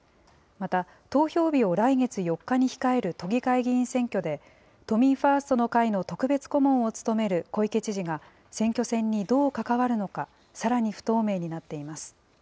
また投票日を来月４日に控える都議会議員選挙で、都民ファーストの会の特別顧問を務める小池知事が、選挙戦にどう関わるのか、さらに不透明になっています。